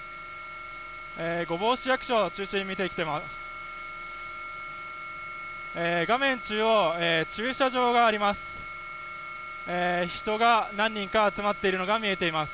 御坊市役所、中心に見ていきます。